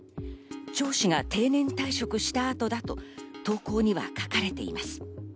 チョウ氏が定年退職した後だと投稿には書かれています。